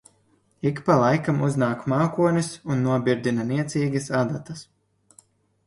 Ik pa laikam uznāk mākonis un nobirdina niecīgas adatas.